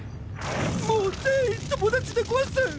もう全員友達でゴワス！